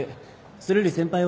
それより先輩は？